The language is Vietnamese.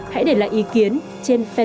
hãy để lại ý kiến trên fanpage